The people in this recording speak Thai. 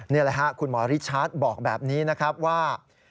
นี่แหละฮะคุณหมอริชาร์จบอกแบบนี้นะครับว่า